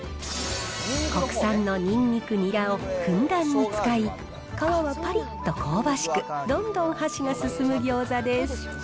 国産のにんにく、にらをふんだんに使い、皮はぱりっと香ばしく、どんどん箸が進む餃子です。